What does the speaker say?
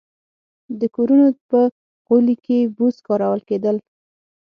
د کورونو په غولي کې بوس کارول کېدل.